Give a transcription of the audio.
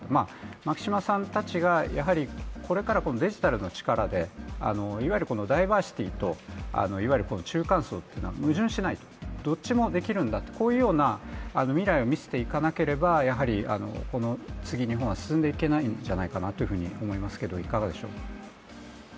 牧島さんたちがこれからデジタルの力でダイバーシティと中間層っていうのは矛盾しないと、どっちもできるんだ、このような未来を見せていかなければこの次に日本は進んでいけないんじゃないかと思います。